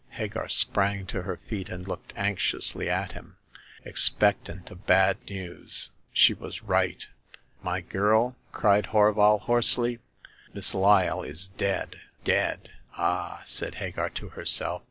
Hagar sprang to her feet, and looked anxiously at him, expectant of bad news. She was right. ." My girl," cried Horval, hoarsely, " Miss Lyle is dead !"" Dead ? Ah !" said Hagar to herself.